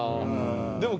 でも＃